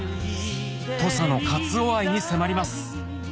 土佐のカツオ愛に迫ります！